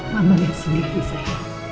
mama lihat sendiri sayang